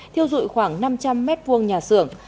thiêu dụi khoảng năm trăm linh m hai nhà xưởng